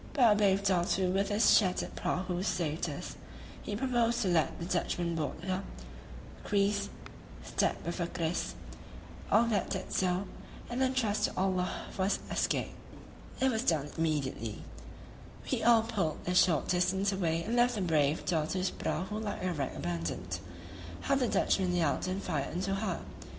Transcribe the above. But a brave Datoo with his shattered prahus saved us; he proposed to let the Dutchmen board her, creese [stab with a kris] all that did so, and then trust to Allah for his escape. It was done immediately; we all pulled a short distance away and left the brave Datoo's prahu like a wreck abandoned. How the Dutchmen yelled and fired into her!